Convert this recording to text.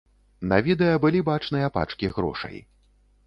На відэа былі бачныя пачкі грошай.